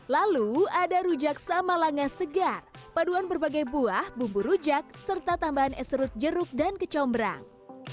lalu ada rujak sama langa segar paduan berbagai buah bumbu rujak serta tambahan es serut jeruk dan kecombrang